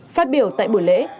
phát biểu tại buổi lễ